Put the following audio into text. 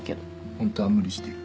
ホントは無理してる？